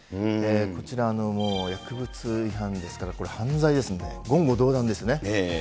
こちら、もう薬物違反ですから、犯罪ですんで、言語道断ですね。